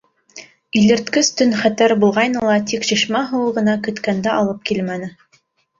Илерткес төн хәтәр булғайны ла, тик шишмә һыуы ғына көткәнде алып килмәне.